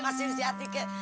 masih si hati kek